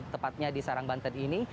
tepatnya di sarang banten ini